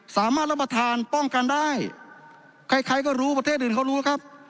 สามารถรับประทานป้องกันได้ใครใครก็รู้ประเทศอื่นเขารู้ครับ